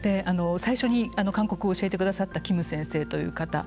最初に韓国語を教えて下さったキム先生という方。